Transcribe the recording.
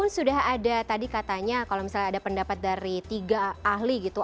sudah ada tadi katanya kalau misalnya ada pendapat dari tiga ahli gitu